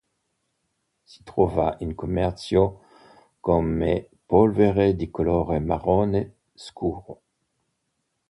Si trova in commercio come polvere di colore marrone scuro.